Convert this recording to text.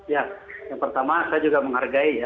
ya yang pertama saya juga menghargai ya